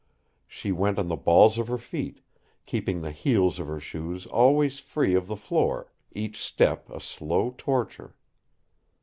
She went on the balls of her feet, keeping the heels of her shoes always free of the floor, each step a slow torture.